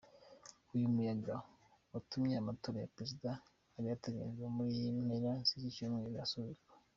Uyu muyaga watumye amatora ya Perezida yari ateganyijwe mu mpera z’iki cyumweru asubikwa.